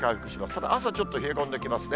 ただ朝ちょっと冷え込んできますね。